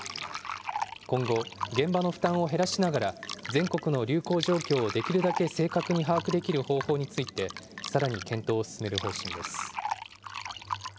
今後、現場の負担を減らしながら、全国の流行状況をできるだけ正確に把握できる方法について、さらに検討を進める方針です。